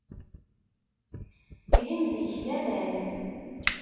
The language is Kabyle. Ttgen deg-k laman.